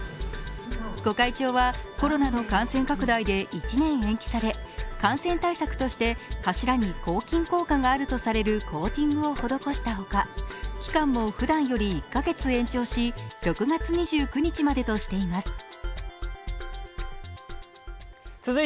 御開帳はコロナの感染拡大で１年延期され感染対策として柱に抗菌効果があるとされるコーティングを施した他、期間もふだんより１カ月延長し６月２９日までとしています。